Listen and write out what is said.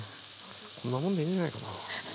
こんなもんでいいんじゃないかな。